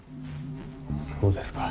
そうですか。